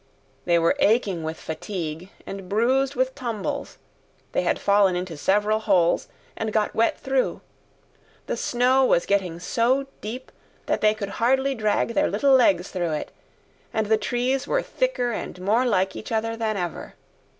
They were aching with fatigue and bruised with tumbles; they had fallen into several holes and got wet through; the snow was getting so deep that they could hardly drag their little legs through it, and the trees were thicker and more like each other than ever.